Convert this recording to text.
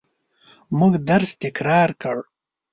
موږ درس تکرار کړ.